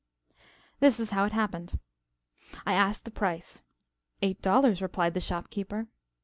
This is how it happened. I asked the price. Eight dollars, replied the shop keeper.